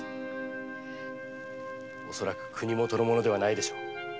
恐らく国もとの者ではないでしょう